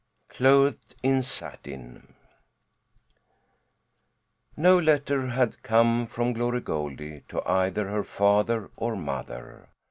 CLOTHED IN SATIN No letter had come from Glory Goldie to either her father or mother.